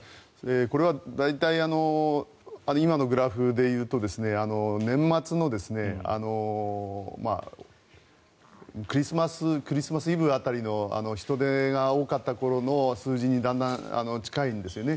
これは大体、今のグラフで言うと年末のクリスマスイブ辺りの人出が多かった頃の数字にだんだん近いんですよね。